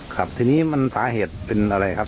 ครับทีนี้มันสาเหตุเป็นอะไรครับ